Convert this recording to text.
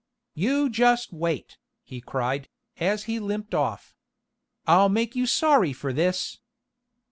"You just wait!" he cried, as he limped off. "I'll make you sorry for this."